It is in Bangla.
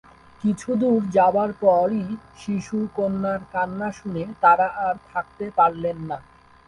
কিছুদূর যাবার পর ই শিশু কন্যার কান্না শুনে তারা আর থাকতে পারলেন না।